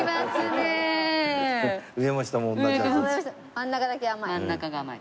真ん中だけ甘い？